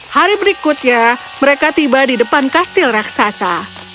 hari berikutnya mereka tiba di depan kastil raksasa